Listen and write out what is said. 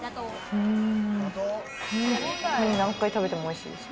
何回食べてもおいしいです。